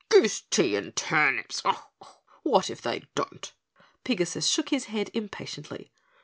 "Goose tea and turnips! What if they don't!" Pigasus shook his head impatiently.